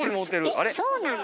えそうなの？